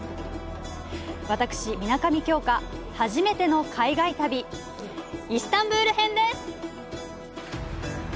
私、水上京香、初めての海外旅イスタンブル篇です。